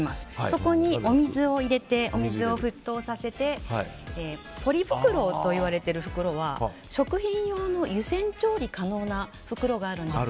そこにお水を入れて、沸騰させてポリ袋といわれている袋は食品用の湯煎調理可能な袋があるんです。